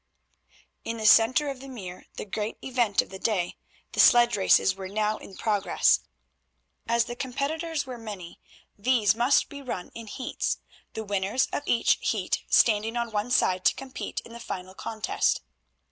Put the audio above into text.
In the centre of the mere the great event of the day, the sledge races, were now in progress. As the competitors were many these must be run in heats, the winners of each heat standing on one side to compete in the final contest.